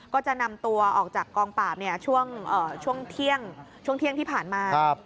ก็จะนำตัวออกจากกองปราบช่วงเที่ยงที่ผ่านมา